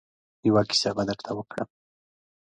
يوه کيسه به درته وکړم.